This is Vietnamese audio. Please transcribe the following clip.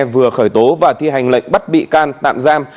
vừa khởi tố và thi hành lệnh bắt bị can tạm giam